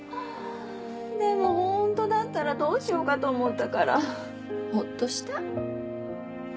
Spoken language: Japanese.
でもホントだったらどうしようかと思ったからホッとした。